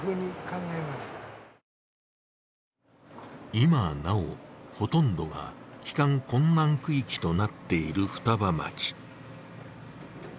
今なお、ほとんどが帰還困難区域となっている双葉町。